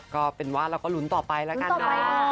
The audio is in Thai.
ก็เป็นว่าเราก็ลุ้นต่อไปแล้วกันเนอะ